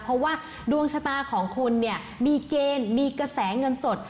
เพราะว่าดวงชะตาของคุณเนี่ยมีเกณฑ์มีกระแสเงินสด